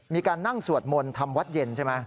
มีการนั่งสวดมนต์ทำวัดเย็นใช่ไหม